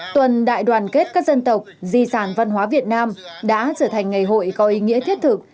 tuần đại đoàn kết các dân tộc di sản văn hóa việt nam đã trở thành ngày hội có ý nghĩa thiết thực